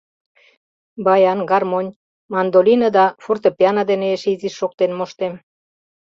— Баян, гармонь, мандолине да фортепиано дене эше изиш шоктен моштем.